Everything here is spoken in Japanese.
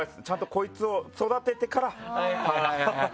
こいつを育ててから。